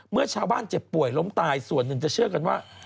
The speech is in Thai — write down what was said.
เมื่อชาวบ้านเจ็บป่วยล้มตายส่วนหนึ่งจะเชื่อกันว่า